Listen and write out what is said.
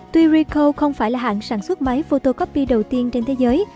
tuy rico không phải là hãng sản xuất máy photocopy đầu tiên trên thế giới